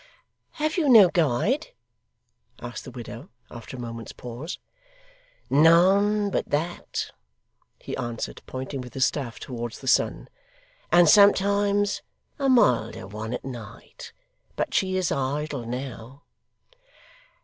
'Have you no guide?' asked the widow, after a moment's pause. 'None but that,' he answered, pointing with his staff towards the sun; 'and sometimes a milder one at night, but she is idle now.